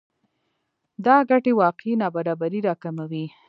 دا ګټې واقعي نابرابری راکموي